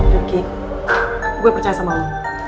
rifki gue percaya sama lo